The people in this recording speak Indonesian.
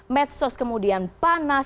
medsos kemudian panas